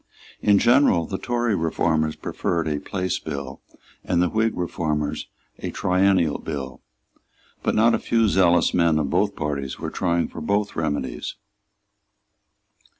In general the Tory reformers preferred a Place Bill, and the Whig reformers a Triennial Bill; but not a few zealous men of both parties were for trying both remedies.